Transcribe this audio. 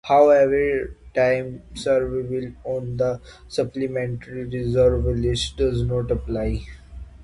However, time served while on the Supplementary Reserve List does not apply.